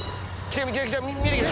見えてきた！